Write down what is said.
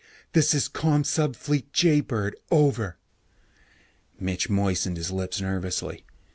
"This is Commsubfleet Jaybird. Over." Mitch moistened his lips nervously.